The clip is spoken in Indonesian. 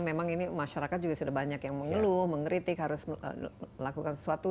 memang ini masyarakat juga sudah banyak yang mengeluh mengkritik harus melakukan sesuatu